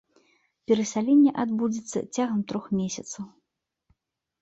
Перасяленне адбудзецца цягам трох месяцаў.